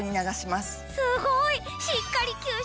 すごい！